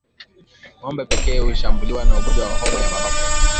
Ngombe pekee hushambuliwa na ugonjwa wa homa ya mapafu